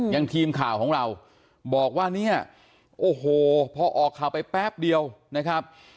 ยังทีมข่าวของเราบอกว่าเนี่ยโอ้โหพอออกข่าวไปแป๊บเดียวนะครับ